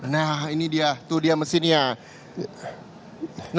nah ini dia tuh dia mesinnya